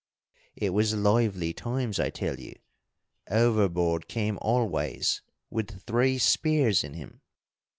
"It was lively times, I tell you! Overboard came Always with three spears in him.